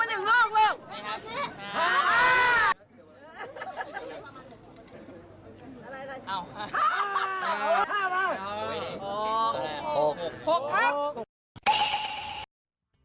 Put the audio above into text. อ้าว๖ครับ